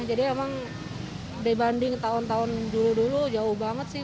jadi emang dibanding tahun tahun dulu dulu jauh banget sih